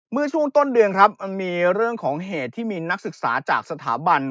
เมื่อช่วงต้นเดือนครับมันมีเรื่องของเหตุที่มีนักศึกษาจากสถาบัน